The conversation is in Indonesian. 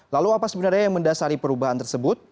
lalu apa sebenarnya yang mendasari perubahan tersebut